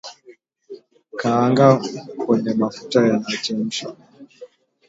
Kaanga kwenye mafuta yanayochemka